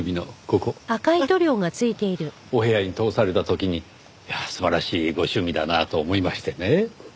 お部屋に通された時にいや素晴らしいご趣味だなと思いましてね。